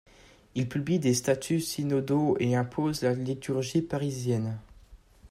Il publie des statuts synodaux et impose la liturgie parisienne.